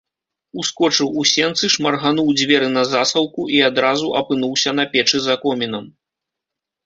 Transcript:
Ускочыў у сенцы, шмаргануў дзверы на засаўку і адразу апынуўся на печы за комінам.